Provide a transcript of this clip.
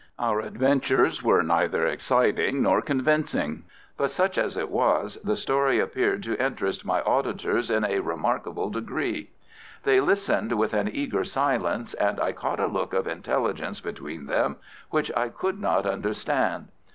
Our adventures were neither exciting nor convincing, but, such as it was, the story appeared to interest my auditors in a remarkable degree. They listened with an eager silence, and I caught a look of intelligence between them which I could not understand.